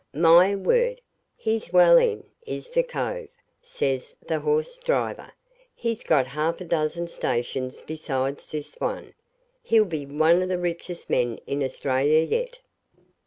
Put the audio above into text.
'My word, he's well in, is the cove,' says the horse driver; 'he's got half a dozen stations besides this one. He'll be one of the richest men in Australia yet.'